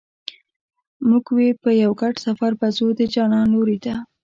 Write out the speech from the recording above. موږ وې په یو ګډ سفر به ځو د جانان لوري ته